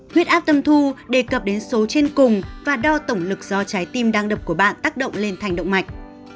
huyết áp tâm thu đề cập đến số trên cùng và đo tổng lực do trái tim đang đập của bạn tác động lên thành động mạch